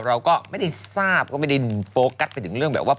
เราก็ไม่ได้ทราบก็ไม่ได้โฟกัสไปถึงเรื่องแบบว่า